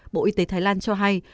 bộ y tế thái lan cho hay